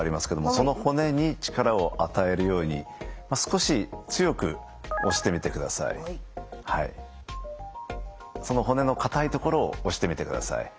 その骨の硬い所を押してみてください。